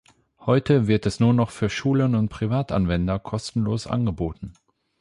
Heute wird es nur noch für Schulen und Privatanwender kostenlos angeboten.